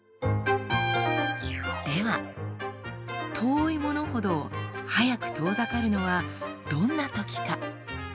では遠いものほど速く遠ざかるのはどんなときか？